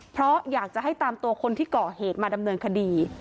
เพราะอยากจะให้ตามตัวคนที่เกาะเหตุมาดำเนินคดี